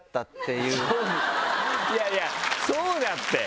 いやいやそうだって！